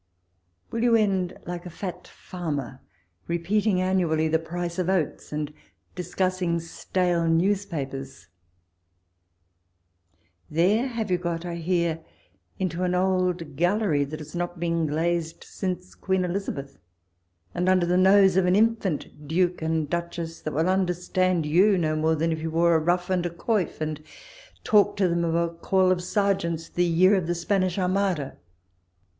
Will you end like a fat farmer, repeating annually the price of oats, and discussing stale newspapers 'I There have you got, I hear, into an old gallery, that has not been glazed since Queen Elizabeth, and under the nose of an infant Duke and Duchess, that will understand you no more than if you wore a ruff and a coif, and talk to them of a call of Serjeants the year of the Spanish Armada